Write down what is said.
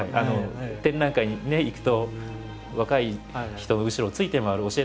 展覧会にね行くと若い人の後ろをついて回る教え